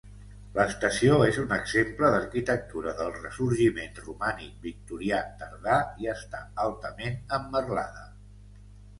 L'estació és un exemple d'arquitectura del ressorgiment romànic victorià tardà i està altament emmerlada.